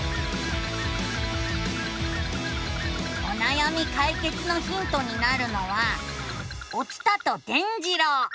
おなやみかいけつのヒントになるのは「お伝と伝じろう」！